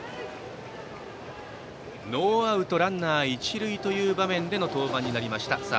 ノーアウトランナー、一塁という場面での登板になりました岩崎。